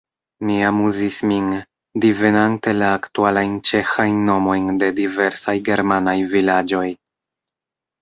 Mi amuzis min, divenante la aktualajn ĉeĥajn nomojn de diversaj germanaj vilaĝoj.